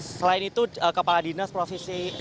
selain itu kepala dinas kehutanan provinsi dki jakarta